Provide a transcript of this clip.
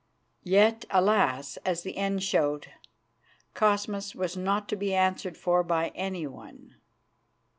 Yet, alas! as the end showed, Cosmas was not to be answered for by anyone.